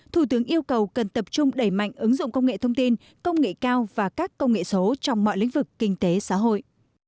thủ tướng yêu cầu cần tập trung đẩy mạnh ứng dụng công nghệ thông tin công nghệ cao và các công nghệ số trong mọi lĩnh vực kinh tế xã hội